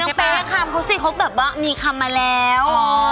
ใช่ต้องเปรย์ทุกคำเพราะสิเขาแบบว่ามีคำมาแล้ว